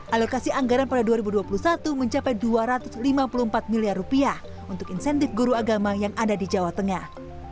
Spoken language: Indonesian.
alokasi anggaran pada dua ribu dua puluh satu mencapai rp dua ratus lima puluh empat miliar untuk insentif guru agama yang ada di jawa tengah